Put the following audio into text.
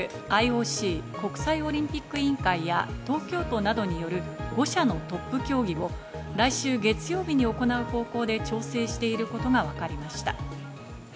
ＩＯＣ＝国際オリンピック委員会や、東京都などによる５者のトップ協議を来週月曜日に行う方向で調整していることがわかりました。